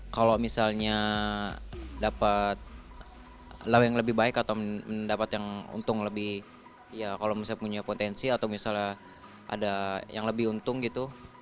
kalau misalnya dapat lagu yang lebih baik atau mendapat yang untung lebih ya kalau misalnya punya potensi atau misalnya ada yang lebih untung gitu